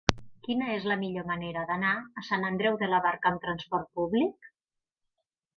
Quina és la millor manera d'anar a Sant Andreu de la Barca amb trasport públic?